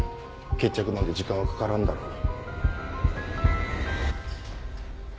決着まで時間はかからんだろう。